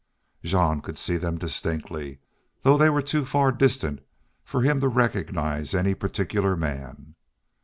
Jean could see them distinctly, though they were too far distant for him to recognize any particular man.